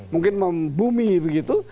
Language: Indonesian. mungkin membumi begitu